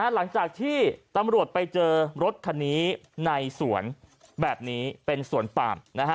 หลังจากที่ตำรวจไปเจอรถคันนี้ในสวนแบบนี้เป็นสวนปาม